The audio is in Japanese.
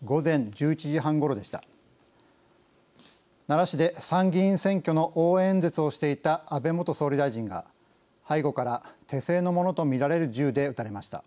奈良市で参議院選挙の応援演説をしていた安倍元総理大臣が背後から手製のものと見られる銃で撃たれました。